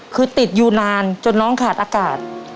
คือติดอยู่นานจนน้องขาดอากาศ